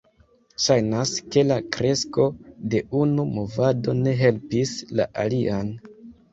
Ŝajnas ke la kresko de unu movado ne helpis la alian.